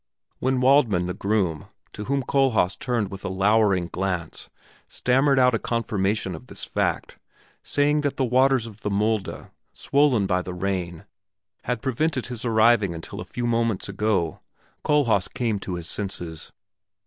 When Waldmann, the groom, to whom Kohlhaas turned with a lowering glance, stammered out a confirmation of this fact, saying that the waters of the Mulde, swollen by the rain, had prevented his arriving until a few moments ago, Kohlhaas came to his senses.